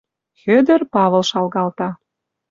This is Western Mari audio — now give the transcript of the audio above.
Хӧдӧр Павыл шалгалта.